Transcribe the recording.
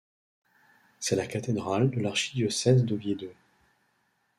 C'est la cathédrale de l'archidiocèse d'Oviedo.